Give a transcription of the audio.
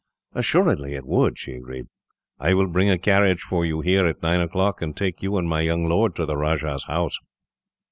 "Assuredly it would," she agreed. "I will bring a carriage for you, here, at nine o'clock; and take you and my young lord to the Rajah's house."